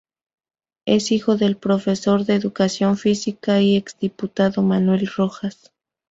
Es hijo del profesor de educación física y exdiputado Manuel Rojas.